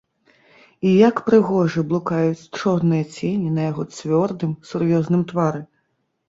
І як прыгожа блукаюць чорныя цені на яго цвёрдым, сур'ёзным твары!